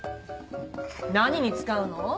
何に使うの？